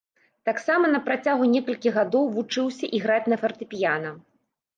Таксама на працягу некалькіх гадоў вучыўся іграць на фартэпіяна.